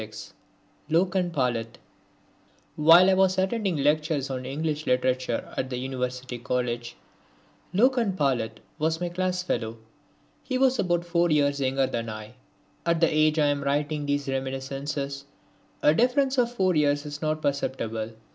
(26) Loken Palit While I was attending lectures on English literature at the University College, Loken Palit was my class fellow. He was about 4 years younger than I. At the age I am writing these reminiscences a difference of 4 years is not perceptible.